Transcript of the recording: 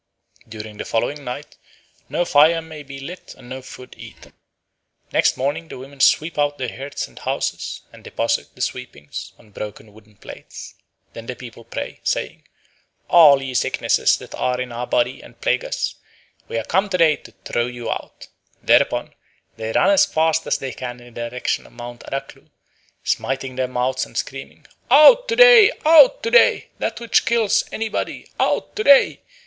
During the following night no fire may be lit and no food eaten. Next morning the women sweep out their hearths and houses, and deposit the sweepings on broken wooden plates. Then the people pray, saying, "All ye sicknesses that are in our body and plague us, we are come to day to throw you out." Thereupon they run as fast as they can in the direction of Mount Adaklu, smiting their mouths and screaming, "Out to day! Out to day! That which kills anybody, out to day!